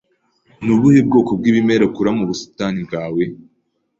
Ni ubuhe bwoko bw'ibimera ukura mu busitani bwawe?